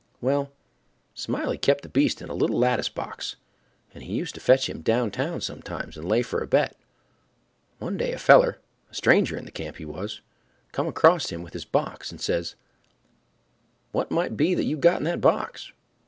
Well, Smiley kep' the beast in a little lattice box, and he used to fetch him downtown sometimes and lay for a bet. One day a feller—a stranger in the camp, he was—come acrost him with his box, and says: "What might be that you've got in the box?"